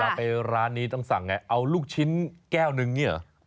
ไปร้านนี้ต้องสั่งไงเอาลูกชิ้นแก้วหนึ่งอย่างนี้เหรอ